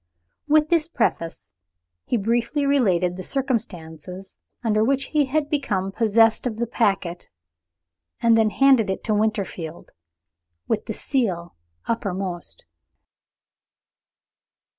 With this preface he briefly related the circumstances under which he had become possessed of the packet, and then handed it to Winterfield with the seal uppermost.